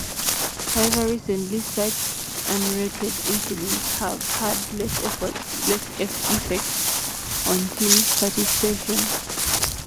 However, recently, such unrelated incidents have had less effect on a team's participation.